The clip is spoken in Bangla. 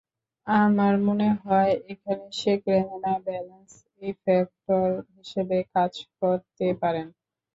আমার মনে হয়, এখানে শেখ রেহানা ব্যালেন্স ইফেক্টর হিসেবে কাজ করতে পারেন।